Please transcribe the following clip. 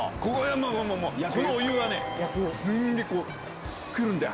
このお湯がねすんげぇくるんだよ